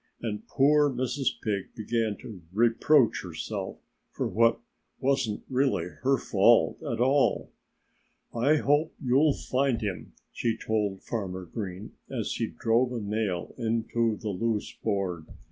And poor Mrs. Pig began to reproach herself for what wasn't really her fault at all. "I hope you'll find him," she told Farmer Green as he drove a nail into the loose board.